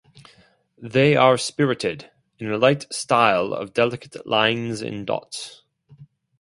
They are spirited, in a light style of delicate lines and dots.